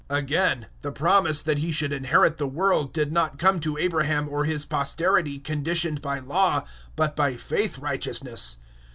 004:013 Again, the promise that he should inherit the world did not come to Abraham or his posterity conditioned by Law, but by faith righteousness.